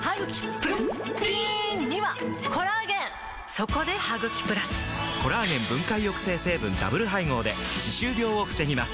そこで「ハグキプラス」！コラーゲン分解抑制成分ダブル配合で歯周病を防ぎます